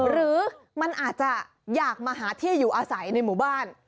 หรือมันอาจจะอยากมาหาที่อยู่อาศัยในหมู่บ้าน